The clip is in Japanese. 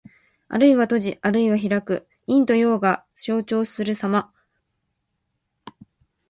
あるいは閉じ、あるいは開く。陰と陽が消長するさま。「闔」は閉じる。「闢」は開く意。